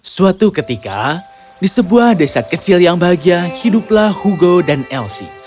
suatu ketika di sebuah desa kecil yang bahagia hiduplah hugo dan elsi